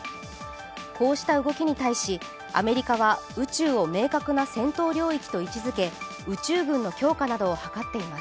こうした動きに対しアメリカは宇宙を明確な戦闘領域と位置づけ宇宙軍の強化などを図っています。